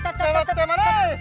ulah ulah begitu lihat nanti